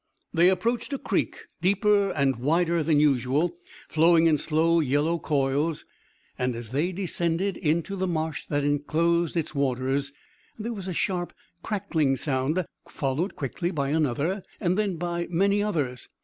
They approached a creek, deeper and wider than usual, flowing in slow, yellow coils, and, as they descended into the marsh that enclosed its waters, there was a sharp crackling sound, followed quickly by another and then by many others.